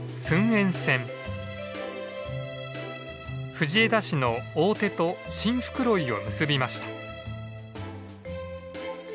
藤枝市の大手と新袋井を結びました。